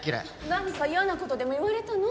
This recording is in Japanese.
何か嫌な事でも言われたの？